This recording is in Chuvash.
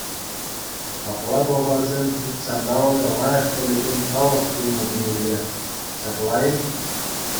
Апла пӑлхарсем ҫутҫанталӑка лайӑх пӗлекен халӑх пулнӑ темелле, ҫапла-и?